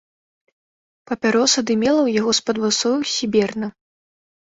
Папяроса дымела ў яго з-пад вусоў сіберна.